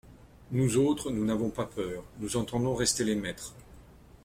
Nous autres, nous n'avons pas peur, nous entendons rester les maîtres.